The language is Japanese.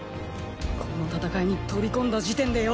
この戦いに飛び込んだ時点でよ。